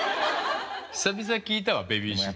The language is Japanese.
久々聞いたわベビーシッター。